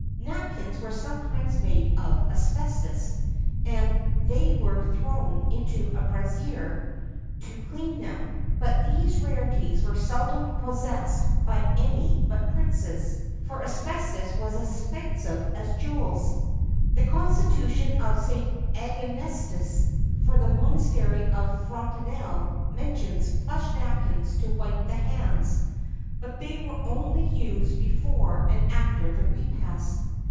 [XXXII 77] Napkins were sometimes made of asbestos, and they were thrown into a brazier to clean them.[XXXII 78] But these rarities were seldom possessed by any but princes, for asbestos was as expensive as jewels.[XXXII 79] The constitution of St. Ansegisius for the monastery of Fontenelle mentions plush napkins to wipe the hands, but they were only used before and after the repast.